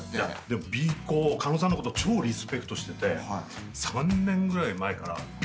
でもＢ孝狩野さんのこと超リスペクトしてて３年ぐらい前からＢＫＯ！